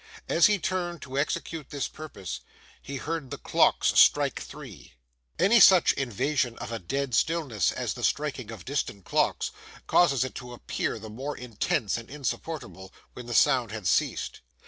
As he turned to execute this purpose, he heard the clocks strike three. Any such invasion of a dead stillness as the striking of distant clocks, causes it to appear the more intense and insupportable when the sound has ceased.